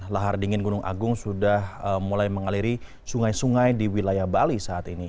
lahar dingin gunung agung sudah mulai mengaliri sungai sungai di wilayah bali saat ini